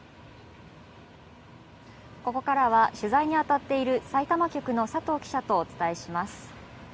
ここからは取材にあたってているさいたま局の佐藤記者とお伝えします。